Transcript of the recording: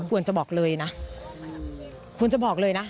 ควรจะบอกเลยนะควรจะบอกเลยนะ